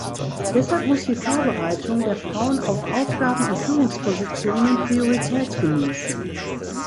Deshalb muss die Vorbereitung der Frauen auf Aufgaben in Führungspositionen Priorität genießen.